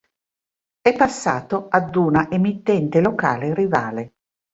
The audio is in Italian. È passato ad una emittente locale rivale.